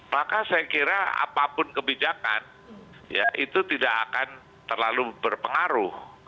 maka saya kira apapun kebijakan ya itu tidak akan terlalu berpengaruh